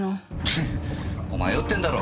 プッお前酔ってんだろ。